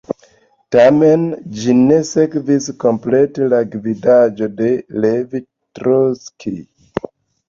Tamen, ĝi ne sekvis komplete la gvidadon de Lev Trockij.